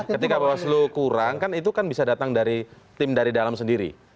ketika bawaslu kurang kan itu kan bisa datang dari tim dari dalam sendiri